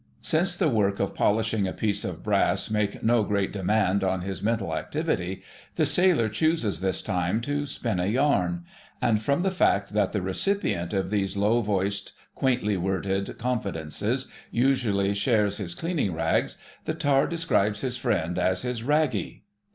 Since the work of polishing a piece of brass make no great demand on his mental activity, the sailor chooses this time to "spin a yarn," and, from the fact that the recipient of these low voiced quaintly worded confidences usually shares his cleaning rags, the tar describes his friend as his "Raggie."